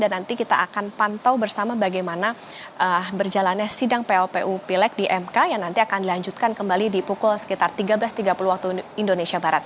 nanti kita akan pantau bersama bagaimana berjalannya sidang plpu pilek di mk yang nanti akan dilanjutkan kembali di pukul sekitar tiga belas tiga puluh waktu indonesia barat